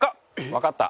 わかった。